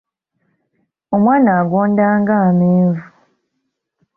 Omwana agonda nga Amenvu.